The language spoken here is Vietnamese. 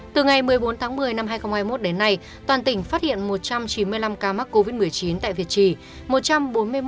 từ ngày một mươi bốn tháng một mươi năm hai nghìn hai mươi một đến nay toàn tỉnh phát hiện một trăm chín mươi năm ca mắc covid một mươi chín tại việt trì